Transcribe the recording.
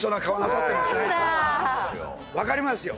分かりますよ。